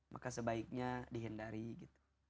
maka sebaiknya dihindari gitu